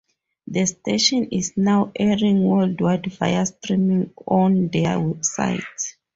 The station is now airing worldwide via streaming on their website.